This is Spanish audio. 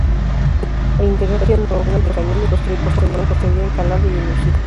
El interior tiene una bóveda de cañón y construido con mampostería encalada y enlucida.